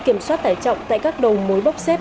kiểm soát tải trọng tại các đầu mối bốc xếp